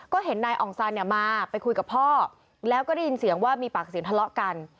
ก็เห็นนายอ่องซันเนี่ยมาไปคุยกับพ่อแล้วก็ได้ยินเสียงว่ามีปากเสียงทะเลาะกัน